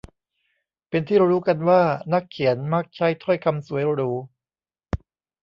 เป็นที่รู้กันว่านักเขียนมักใช้ถ้อยคำสวยหรู